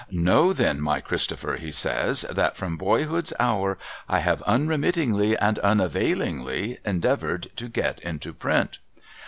' Know then, my Christopher,' he says, ' that from boyhood's hour I have unremittingly and unavailingly endeavoured to get into print.